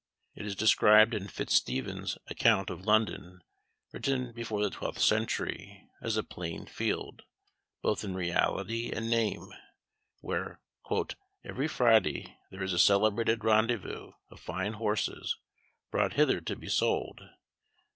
It is described in Fitz Stephen's account of London, written before the twelfth century, as a plain field, both in reality and name, where "every Friday there is a celebrated rendezvous of fine horses, brought hither to be sold.